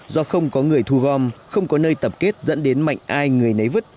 do không có người thu gom không có nơi tập kết dẫn đến mạnh ai người nấy vứt